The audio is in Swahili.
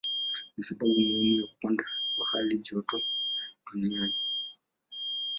Ni sababu muhimu ya kupanda kwa halijoto duniani.